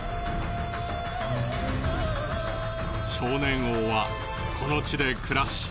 少年王はこの地で暮らし